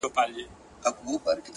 د ویاړلي ولس استازي نه دي